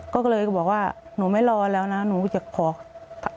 ก็เลยแบบว่าหนูไม่รอแล้วนะนึงจะขอกลาอีกคืน